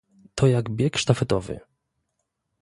To jak bieg sztafetowy